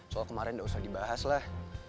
soal kemarin nggak usah dibahas lah